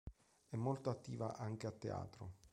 È molto attiva anche a teatro.